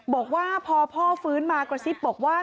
บอกว่าพอพ่อฟื้นมากระซิบบอกว่า